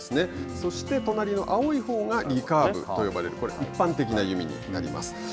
そして、となりの青いほうがリカーブと呼ばれるこれ、一般的な弓になります。